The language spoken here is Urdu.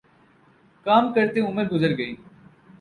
کام کرتے عمر گزر گئی